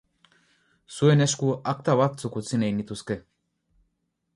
Zuen esku akta batzuk utzi nahi nituzke.